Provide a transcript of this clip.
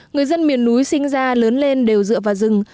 người dân miền núi sinh ra lớn lên đều dựa vào rừng